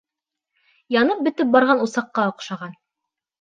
Янып бөтөп барған усаҡҡа оҡшаған.